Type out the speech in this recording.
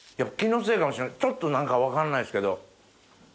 ちょっと何か分かんないですけど。